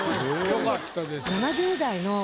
良かったです。